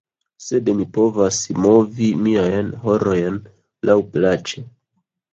Sed mi povas movi miajn horojn laŭ plaĉe